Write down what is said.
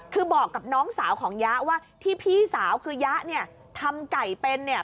คือบอกกับน้องสาวของยะว่าที่พี่สาวคือยะเนี่ยทำไก่เป็นเนี่ย